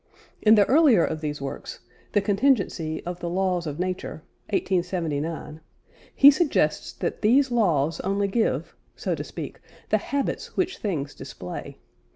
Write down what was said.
In the earlier of these works, The Contingency of the Laws of Nature (1879) he suggests that these laws only give, so to speak, the habits which things display.